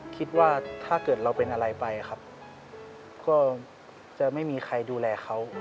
คิดว่าถ้าเกิดเราเป็นอะไรไปครับก็จะไม่มีใครดูแลเขา